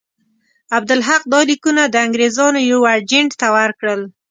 عبدالحق دا لیکونه د انګرېزانو یوه اجنټ ته ورکړل.